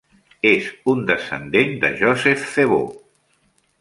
És un descendent de Joseph Thebaud.